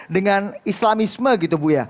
dengan islamisme gitu bu ya